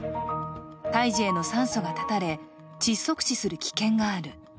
胎児への酸素が断たれ、窒息死する危険がある。